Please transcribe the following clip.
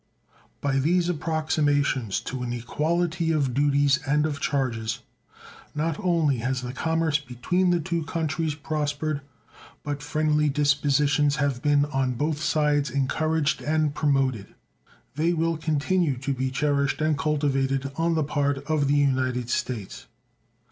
By these approximations to an equality of duties and of charges not only has the commerce between the two countries prospered, but friendly dispositions have been on both sides encouraged and promoted. They will continue to be cherished and cultivated on the part of the United States.